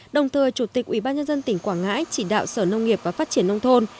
đồng thời chủ tịch ubnd tỉnh quảng ngãi chỉ đạo sở nông nghiệp và phát triển nông thôn